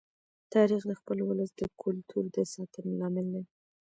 تاریخ د خپل ولس د کلتور د ساتنې لامل دی.